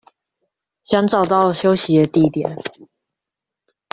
想找到休息的地點